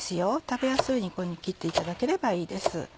食べやすいようにこういうふうに切っていただければいいです。